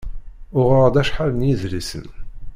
Uɣeɣ-d acḥal n yidlisen.